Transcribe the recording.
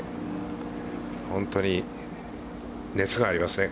本当に熱がありますね。